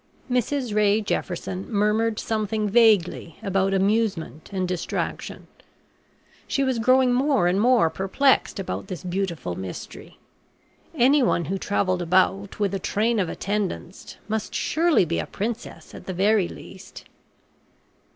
Mrs Ray Jefferson murmured something vaguely about amusement and distraction. She was growing more and more perplexed about this beautiful Mystery. Anyone who travelled about with a train of attendants must surely be a princess at the very least.